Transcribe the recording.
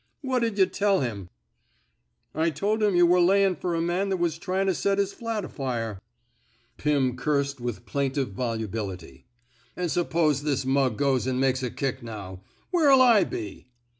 What'd yuh teU him! "^^ I tol' him yuh were layin' fer a man that was tryin' to set his flat afire." Pim cursed with plaintive volubility. *^ An' suppose this mug goes an' makes a kick now, where '11 / be?